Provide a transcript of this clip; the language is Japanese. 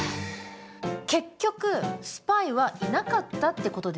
結局スパイはいなかったってことですか？